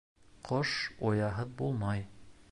Ҡош ояһыҙ булмай.